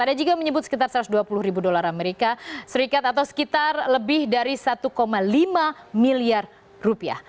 ada juga menyebut sekitar satu ratus dua puluh ribu dolar amerika serikat atau sekitar lebih dari satu lima miliar rupiah